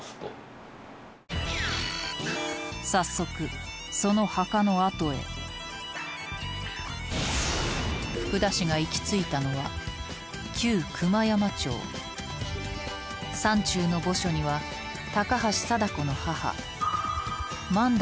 早速その墓の跡へ福田が行き着いたのは熊山町山中の墓所には高橋貞子の母万代